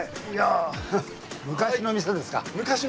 昔の店ですか。